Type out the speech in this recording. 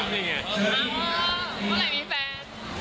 เมื่อไหร่มีแฟน